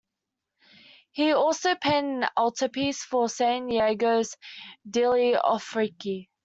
He also painted an altarpiece for "Sant'Eligio degli Orefici".